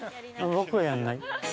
◆僕はやんない。